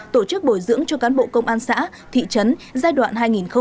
tổ chức bồi dưỡng cho cán bộ công an xã thị trấn giai đoạn hai nghìn một mươi sáu hai nghìn hai mươi năm